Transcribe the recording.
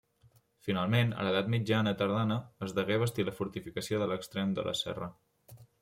Finalment, a l'edat mitjana tardana, es degué bastir la fortificació de l'extrem de la serra.